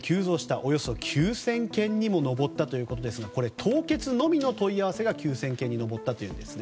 およそ９０００件にも上ったということですが凍結のみの問い合わせが９０００件に上ったということです。